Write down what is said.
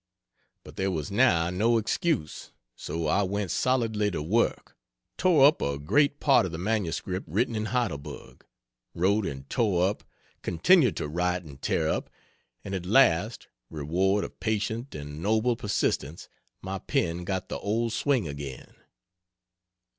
But there was now no excuse, so I went solidly to work tore up a great part of the MS written in Heidelberg, wrote and tore up, continued to write and tear up, and at last, reward of patient and noble persistence, my pen got the old swing again!